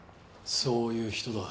そういう人だ。